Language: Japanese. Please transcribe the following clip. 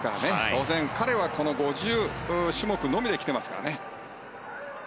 当然彼はこの５０ｍ種目のみで来ていますからね。